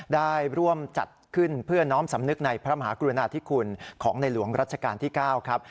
ได้ร่วมจัดขึ้นเพื่อน้อมสำนึกในพระมหากรุณาธิคุณของในหลวงรัชกาลที่๙ครับ